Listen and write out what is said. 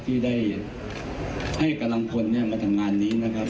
ที่ได้ให้กำลังพลมาทำงานนี้นะครับ